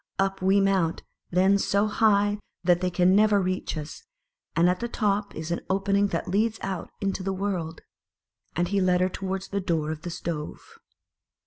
Up we mount, then, so high that they can never reach us; and at the top is an opening that leads out into the world." And he led her towards the door of the stove.